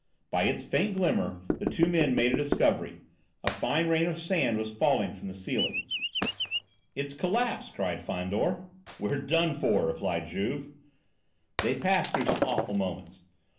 By its faint glimmer the two men made a discovery. A fine rain of sand was falling from the ceiling. "It's collapsed!" cried Fandor. "We're done for!" replied Juve. They passed through some awful moments.